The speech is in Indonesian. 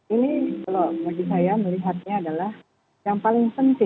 ini kalau bagi saya melihatnya adalah yang paling penting